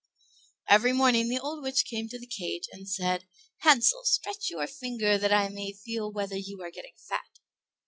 Every morning the old witch came to the cage and said, "Hansel, stretch your finger that I may feel whether you are getting fat."